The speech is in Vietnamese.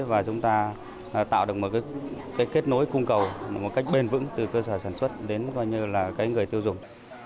và chúng ta tạo được một kết nối cung cầu một cách bền vững từ cơ sở sản xuất đến người tiêu dùng